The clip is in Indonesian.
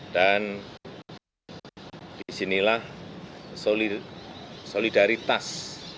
dan disinilah solidaritas